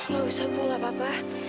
gak usah bu gak apa apa